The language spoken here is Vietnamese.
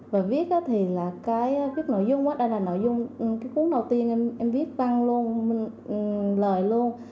và viết thì là cái nội dung đây là nội dung cái cuốn đầu tiên em viết văn luôn lời luôn